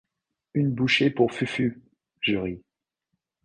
une bouchée pour Fufu Je ris.